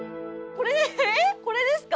これですか？